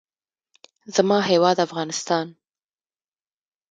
زما هېواد افغانستان.